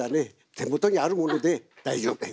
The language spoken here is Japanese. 手元にあるもので大丈夫です。